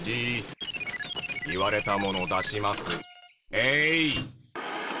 えい！